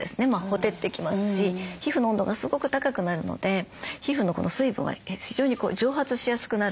ほてってきますし皮膚の温度がすごく高くなるので皮膚の水分が非常に蒸発しやすくなるんですよ。